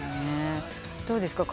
どうですか？